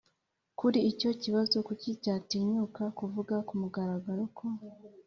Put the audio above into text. kuri icyo kibazo kuki yatinyuka kuvuga ku mugaragaro ko